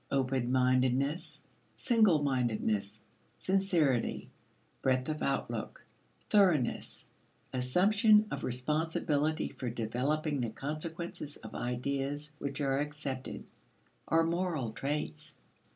Open mindedness, single mindedness, sincerity, breadth of outlook, thoroughness, assumption of responsibility for developing the consequences of ideas which are accepted, are moral traits.